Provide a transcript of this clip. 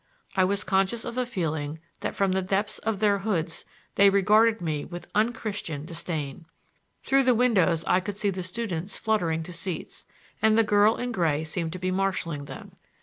I was conscious of a feeling that from the depths of their hoods they regarded me with un Christian disdain. Through the windows I could see the students fluttering to seats, and the girl in gray seemed to be marshaling them.